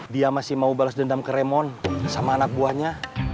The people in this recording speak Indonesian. dia masih mau balas dendam ke remon sama anak buahnya